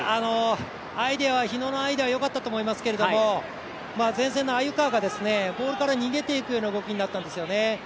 日野のアイデアはよかったと思いますけども前線の鮎川がボールから逃げていくような動きになったんですよね。